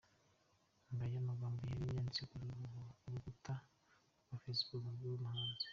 Ngayo amagambo yari yanditswe ku rukuta rwa facebook rw'uyu muhanzi.